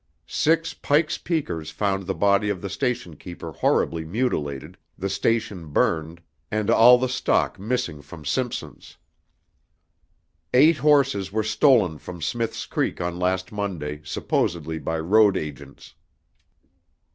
Six Pike's Peakers found the body of the station keeper horribly mutilated, the station burned, and all the stock missing from Simpson's. Eight horses were stolen from Smith's Creek on last Monday, supposedly by road agents.